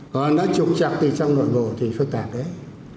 còn nó trục trọc từ trong nội bộ thì phức tạp đấy